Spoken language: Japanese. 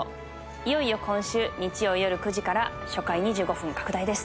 いよいよ今週日曜よる９時から初回２５分拡大です